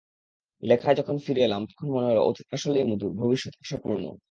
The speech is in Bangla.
লেখায় যখন ফিরে এলাম, তখন মনে হলো অতীত আসলেই মধুর, ভবিষ্যৎ আশাপূর্ণ।